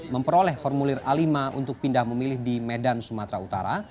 memperoleh formulir a lima untuk pindah memilih di medan sumatera utara